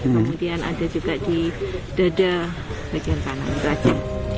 kemudian ada juga di dada bagian kanan